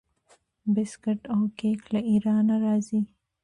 بسکیټ او کیک له ایران راځي.